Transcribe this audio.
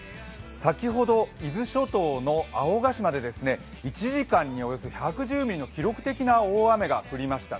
先ほど、伊豆諸島の青ヶ島で１時間におよそ１１０ミリの記録的な大雨が降りました。